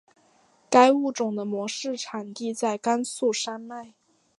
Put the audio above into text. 该物种的模式产地在甘肃山脉。